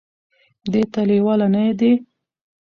دې ته لېواله نه دي ،